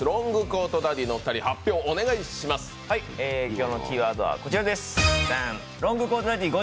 今日のキーワードはこちらです。